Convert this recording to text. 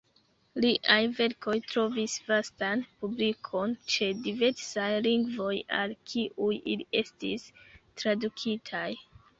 Liaj verkoj trovis vastan publikon ĉe diversaj lingvoj al kiuj ili estis tradukitaj.